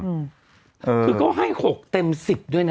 คือก็ให้หกเต็ม๑๐ด้วยนะ